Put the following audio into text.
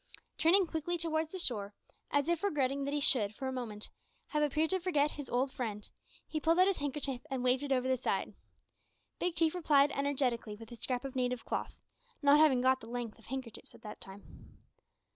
Turning quickly towards the shore, as if regretting that he should, for a moment, have appeared to forget his old friend, he pulled out his handkerchief and waved it over the side. Big Chief replied energetically with a scrap of native cloth not having got the length of handkerchiefs at that time.